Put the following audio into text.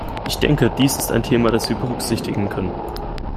Ich denke, dies ist ein Thema, das wir berücksichtigen können.